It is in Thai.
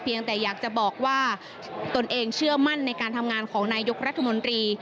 ยังแต่อยากจะบอกว่าตนเองเชื่อมั่นในการทำงานของนายกรัฐมนตรี